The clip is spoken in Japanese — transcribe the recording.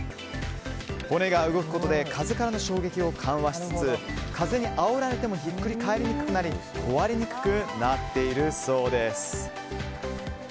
骨が動くことで風からの衝撃を緩和しつつ風にあおられてもひっくり返りにくくなり壊れにくくなっているそうです。